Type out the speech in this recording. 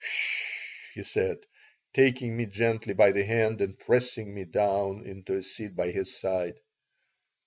"'S sh!" he said, taking me gently by the hand and pressing me down into a seat by his side.